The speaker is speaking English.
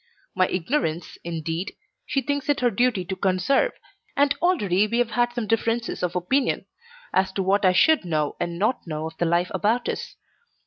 My ignorance, indeed, she thinks it her duty to conserve, and already we have had some differences of opinion as to what I should know and not know of the life about us.